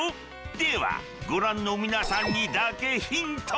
ではご覧の皆さんにだけヒント！